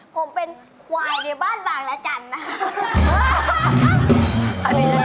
ผมเป็นควายในบ้านบางละจันทร์นะครับ